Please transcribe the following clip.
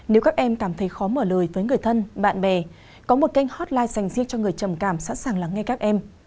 nếu các em cảm thấy khó mở lời với người thân bạn bè có một kênh hotline dành riêng cho người trầm cảm sẵn sàng lắng nghe các em